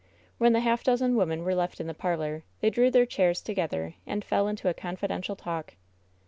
When the half dozen women were left in the parlor, they drew their chairs together and fell into a confiden tial talk.